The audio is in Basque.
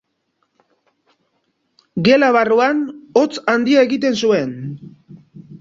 Gela barruan hotz handia egiten zuen.